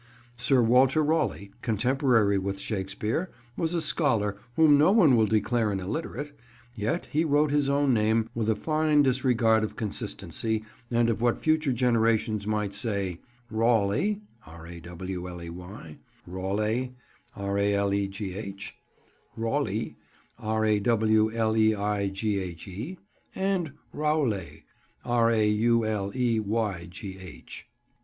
Sir Walter Raleigh, contemporary with Shakespeare, was a scholar whom no one will declare an illiterate, yet he wrote his own name, with a fine disregard of consistency and of what future generations might say, "Rawley," "Ralegh," "Rawleighe" and "Rauleygh."